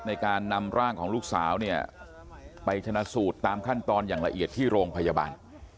ในการนำร่างของลูกสาวเนี่ยไปชนะสูตรตามขั้นตอนอย่างละเอียดที่โรงพยาบาล